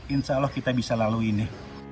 insya allah kita bisa lalu ini